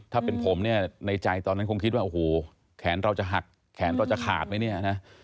ถ้าเป็นผมในใจตอนนั้นคงคิดว่าแข็นเราจะหักแขนอีกแต่จะขาดไปเนี่ยนะ